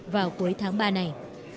vào cuối tháng ba này